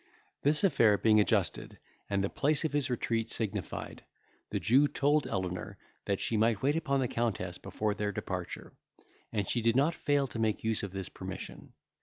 This affair being adjusted, and the place of his retreat signified, the Jew told Elenor, that she might wait upon the Countess before their departure; and she did not fail to make use of this permission.